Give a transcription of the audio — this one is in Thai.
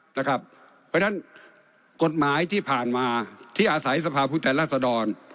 เพราะฉะนั้นกฎหมายที่ผ่านมาที่อาศัยสภาพผู้แทนรัศดร